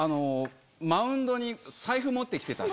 マウンドに財布持って来てた。